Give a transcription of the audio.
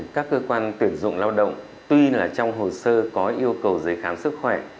các cơ quan tuyển dụng lao động tuy là trong hồ sơ có yêu cầu giấy khám sức khỏe